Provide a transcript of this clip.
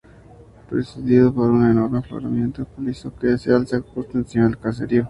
Presidido por un enorme afloramiento calizo que se alza justo encima del caserío.